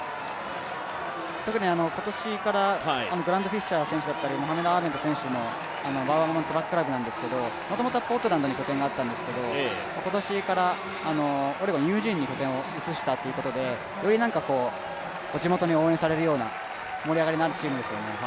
特に今年からグラント・フィッシャー選手だったりモハメド・アーメド選手もバウワーマントラッククラブなんですけれども、もともとポートランドに拠点があったんですけれども今年からオレゴン・ユージーンに拠点を移したということでより地元に応援されるような盛り上がりのあるチームですよね。